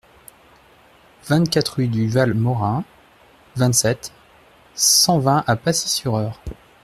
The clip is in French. vingt-quatre rue du Val Morin, vingt-sept, cent vingt à Pacy-sur-Eure